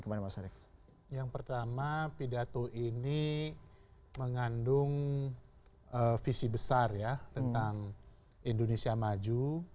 yang pertama pidato ini mengandung visi besar ya tentang indonesia maju